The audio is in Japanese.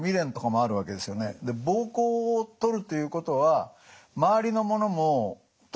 膀胱を取るということは周りのものも取るわけですよ。